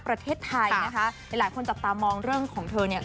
ประเทศไทยนะคะหลายหลายคนจับตามองเรื่องของเธอเนี่ย